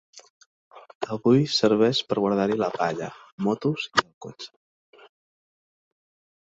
Avui serveix per guardar-hi la palla, motos i el cotxe.